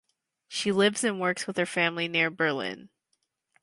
She lives and works with her family near Berlin.